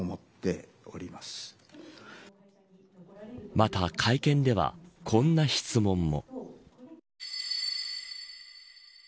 また会見ではこんな質問も。